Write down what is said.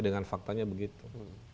dengan faktanya begitu